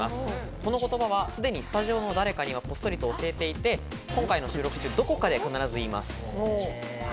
この言葉は、すでにスタジオの誰かにこっそり教えていて、放送中にどこかで必ず言います。